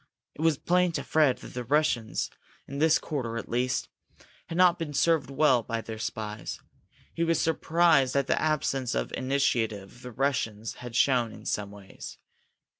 It was plain to Fred that the Russians, in this quarter at least, had not been well served by their spies. He was surprised at the absence of initiative the Russians had shown in some ways.